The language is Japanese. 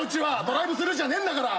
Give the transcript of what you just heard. ドライブスルーじゃねえんだから。